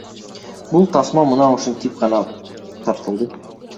Бул тасма мына ушинтип гана тартылды.